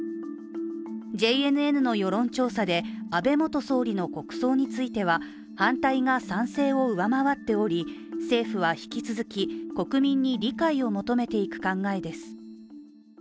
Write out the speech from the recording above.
ＪＮＮの世論調査で、安倍元総理の国葬については反対が賛成を上回っており政府は引き続き国民に理解を求めていく考えです。